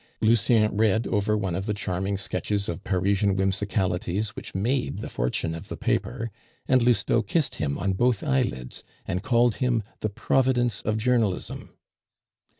Lucien read over one of the charming sketches of Parisian whimsicalities which made the fortune of the paper, and Lousteau kissed him on both eyelids, and called him the providence of journalism.